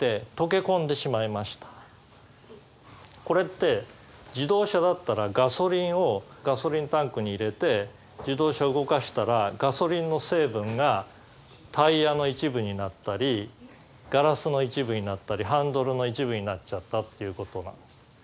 これって自動車だったらガソリンをガソリンタンクに入れて自動車動かしたらガソリンの成分がタイヤの一部になったりガラスの一部になったりハンドルの一部になっちゃったということなんです。